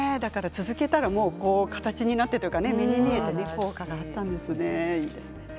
続けたら形になって目に見えて、効果があったんですね。